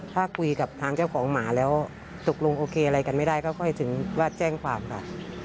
ถ้าคุยกับทางเจ้าของหมาแล้วตกลงโอเคอะไรกันไม่ได้ก็ค่อยถึงว่าแจ้งความค่ะ